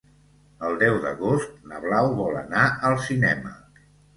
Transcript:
El deu d'agost na Blau vol anar al cinema.